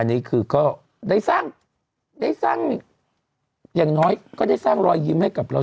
อันนี้คือก็ได้สร้างได้สร้างอย่างน้อยก็ได้สร้างรอยยิ้มให้กับเรา